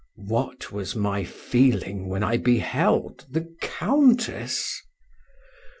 What was my feeling when I beheld the Countess?